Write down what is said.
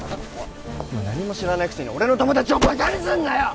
何も知らないくせに俺の友達をバカにすんなよ！